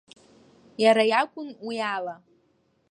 Иара иакәын уи ала.